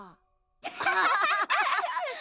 アハハハッ！